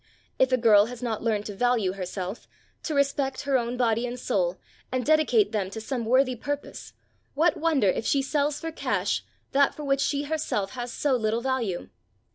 If a girl has not learned to value herself, to respect her own body and soul, and dedicate them to some worthy purpose, what wonder if she sells for cash that for which she herself has so little value?